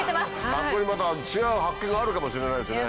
あそこにまた違う発見があるかもしれないしね。